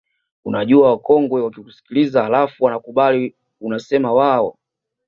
Unajua wakongwe wakikusikiliza halafu wanakukubali unasema waoo